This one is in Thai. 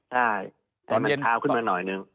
ได้ให้มันทาวขึ้นมาหน่อยหนึ่ง